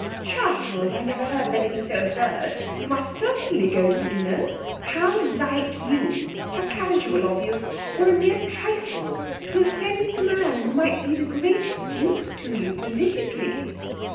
'Charles! I never heard of anything so absurd! You must certainly go to the dinner. How like you! How casual of you! For a mere trifle to offend the man who might be of the greatest use to you politically.'